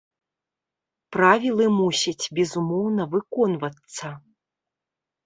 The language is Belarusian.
Правілы мусяць безумоўна выконвацца.